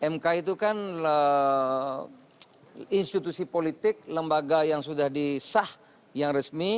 mk itu kan institusi politik lembaga yang sudah disah yang resmi